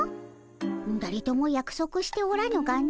だれともやくそくしておらぬがの。